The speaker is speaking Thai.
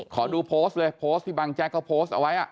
ขอดูโพสต์เลยโพสต์ที่บางแจ๊กเขาโพสต์เอาไว้